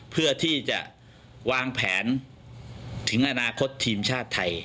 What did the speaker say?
เพื่อที่จะวางแผนถึงอนาคตทีมชาติไทย